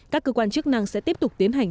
các cơ quan chức năng sẽ tiếp tục tiến hành